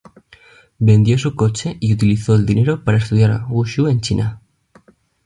Vendió su coche y utilizó el dinero para estudiar wu shu en China.